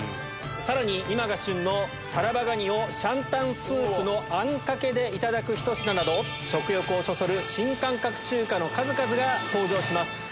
さらに今が旬のタラバガニを上湯スープのあんかけでいただくひと品など食欲をそそる新感覚中華の数々が登場します。